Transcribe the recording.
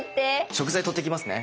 食材取ってきますね。